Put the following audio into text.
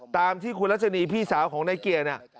ตามที่คุณรัชนีพี่สาวของนายเกียร์เนี่ย